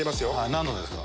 何℃ですか？